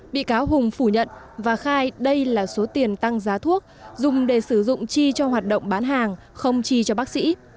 bị cáo hùng phủ nhận và khai đây là số tiền tăng giá thuốc dùng để sử dụng chi cho hoạt động bán hàng không chi cho bác sĩ